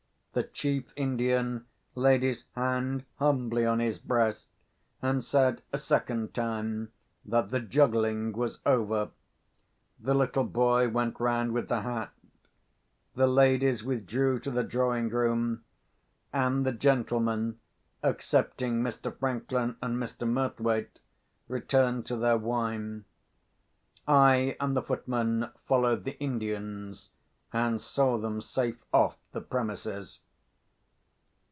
The chief Indian laid his hand humbly on his breast, and said a second time that the juggling was over. The little boy went round with the hat. The ladies withdrew to the drawing room; and the gentlemen (excepting Mr. Franklin and Mr. Murthwaite) returned to their wine. I and the footman followed the Indians, and saw them safe off the premises.